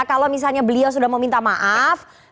kalau misalnya beliau sudah mau minta maaf